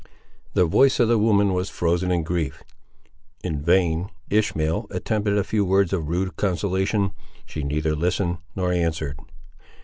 The voice of the woman was frozen in grief. In vain Ishmael attempted a few words of rude consolation; she neither listened nor answered.